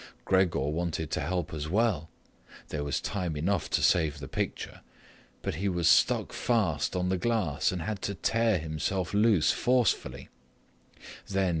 Gregor wanted to help as well—there was time enough to save the picture—but he was stuck fast on the glass and had to tear himself loose forcefully.